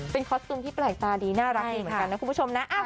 เป็นคอสตูมที่แปลกตาดีน่ารักดีเหมือนกันนะคุณผู้ชมนะ